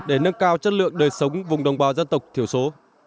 để nâng cao chất lượng đời sống vùng đồng bào dân tộc thiểu số